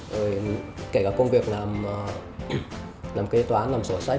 rồi kể cả công việc làm kế toán làm sổ sách